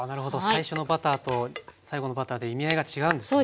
最初のバターと最後のバターで意味合いが違うんですね。